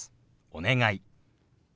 「お願い」。